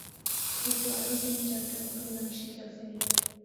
অপু আরও তিন-চারটা নতুন গান শিখিয়া ফেলিল।